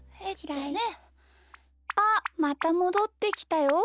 あっまたもどってきたよ。